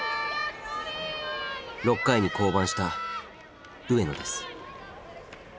６回に降板した上野です。